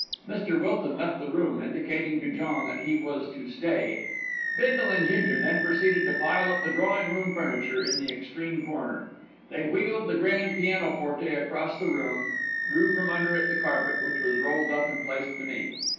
Mr. Wilton left the room, indicating to John that he was to stay. Bindle and Ginger then proceeded to pile up the drawing room furniture in the extreme corner. They wheeled the grand pianoforte across the room, drew from under it the carpet, which was rolled up and placed beneath.